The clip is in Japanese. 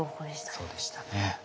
そうでしたね。